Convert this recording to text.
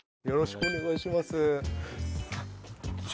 よろしくお願いします